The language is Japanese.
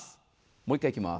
もう一回いきます。